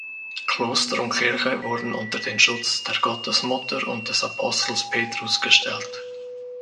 Kloster und Kirche wurden unter den Schutz der Gottesmutter und des Apostels Petrus gestellt.